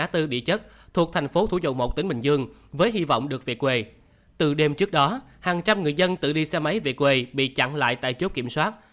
từ đêm trước đó hàng trăm người dân tự đi xe máy về quê bị chặn lại tại chốt kiểm soát